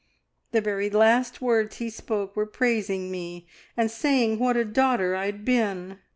The very last words he spoke were praising me and saying what a daughter I'd been!"